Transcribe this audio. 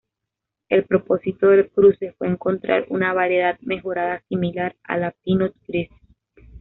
El propósito del cruce fue encontrar una variedad mejorada similar a la pinot gris.